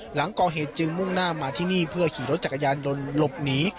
หลังก่อเหตุจึงมุ่งหน้ามาที่นี่เพื่อขี่รถจักรยานยนต์หลบหนี